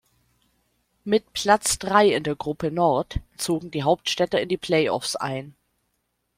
Mit Platz drei in der Gruppe Nord zogen die Hauptstädter in die Play-offs ein.